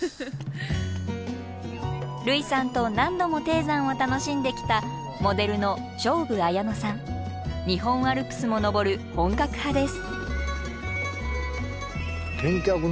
類さんと何度も低山を楽しんできた日本アルプスも登る本格派です。